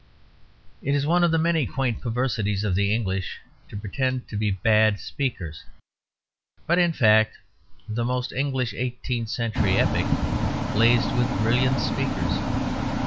It is one of the many quaint perversities of the English to pretend to be bad speakers; but in fact the most English eighteenth century epoch blazed with brilliant speakers.